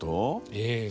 ええ。